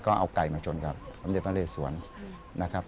ก็เอาไก่มาชนกับสมเด็จพระเรสวนนะครับ